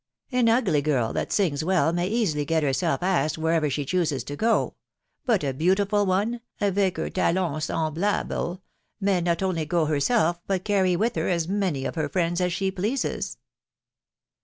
An ugly girl, that sings well, may easily get herself asked wherever she choosa to go ; but a beautiful one, aveck ung talong samblabel, may not only go herself, but carry with her as many of her friendi as she pleases."